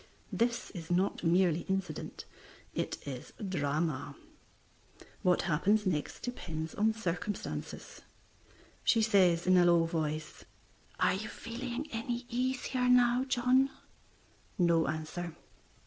This is not merely incident; it is drama. What happens next depends on circumstances. She says in a low voice "Are you feeling any easier now, John?" No answer.